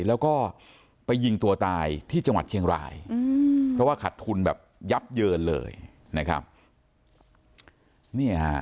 แล้วก็ไปยิงตัวตายที่จังหวัดเชียงรายเพราะว่าขัดทุนแบบยับเยินเลยนะครับ